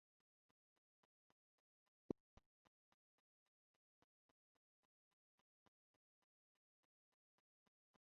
En Kantabrio la viando de bovo estas tiu populara en plej alta grado.